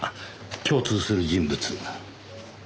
共通する人物。